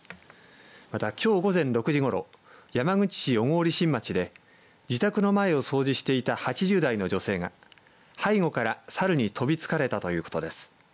また、きょう午前６時ごろ山口市小郡新町で自宅の前を掃除していた８０代の女性が背後からサルに飛びつかれたということです。